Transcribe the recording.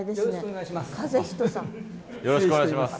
よろしくお願いします。